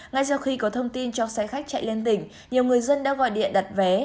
ngay sau khi có thông tin cho xe khách chạy lên tỉnh nhiều người dân đã gọi điện đặt vé